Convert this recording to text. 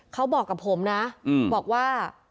เขาบอกกับผมนะบอกว่า